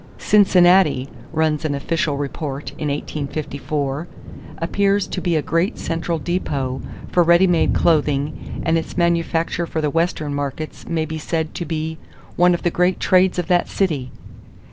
"Cincinnati," runs an official report in 1854, "appears to be a great central depot for ready made clothing and its manufacture for the Western markets may be said to be one of the great trades of that city."